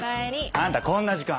あんたこんな時間！